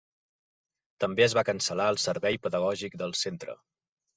També es va cancel·lar el servei pedagògic del centre.